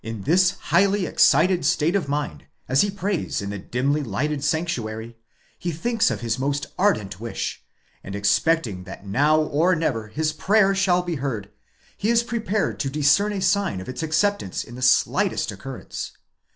ΙΟΙ this highly excited state of mind, as he prays in the dimly lighted sanctuary, he thinks of his most ardent wish, and expecting that now or never his prayer shall be heard, he is prepared to discern a sign of its acceptance in the slightest occurrence.